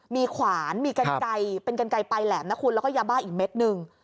มีขวานมีกันไกลเป็นกันไกลปลายแหลมนะคุณแล้วก็ยาบ้าอีกเม็ดหนึ่ง